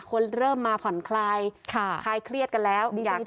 คนเริ่มมาผ่อนคลายคลายเครียดกันแล้ว